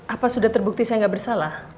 apa sudah terbukti saya nggak bersalah